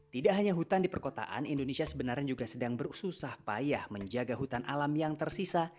tidak hanya hutan di perkotaan indonesia sebenarnya juga sedang berusaha payah menjaga hutan alam yang tersisa